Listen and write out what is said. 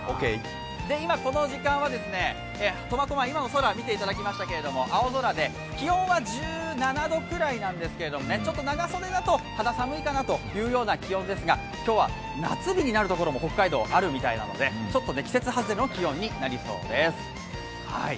今この時間は苫小牧今の空をご覧いただきましたが青空で気温は１７度ぐらいなんですけれども、ちょっと長袖だと肌寒いかなという気温ですが、今日は夏日になる所北海道あるみたいなのでちょっと季節外れの気温になりそうです。